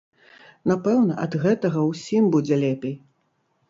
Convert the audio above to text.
Напэўна, ад гэтага ўсім будзе лепей.